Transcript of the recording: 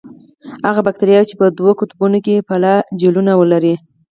هغه باکتریاوې چې په دوو قطبونو کې فلاجیلونه ولري.